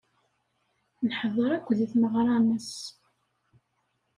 Neḥdeṛ akk deg tmeɣra-nnes.